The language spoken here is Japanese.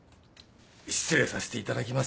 失礼させていただきますよ。